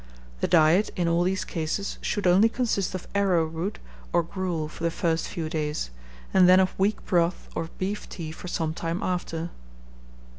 The diet in all these cases should only consist of arrowroot or gruel for the first few days, and then of weak broth or beef tea for some time after.